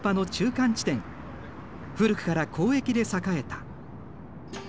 古くから交易で栄えた。